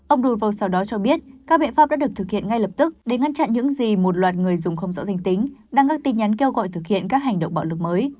ông douno sau đó cho biết các biện pháp đã được thực hiện ngay lập tức để ngăn chặn những gì một loạt người dùng không rõ danh tính đăng các tin nhắn kêu gọi thực hiện các hành động bạo lực mới